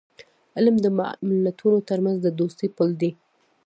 علم د ملتونو ترمنځ د دوستی پل دی.